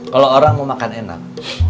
kalau orang mau makan enak